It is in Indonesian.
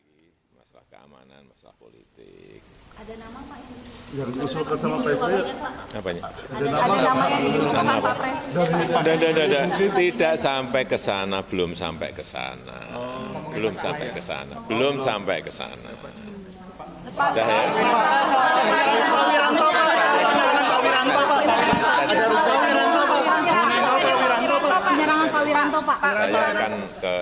belum sampai ke sana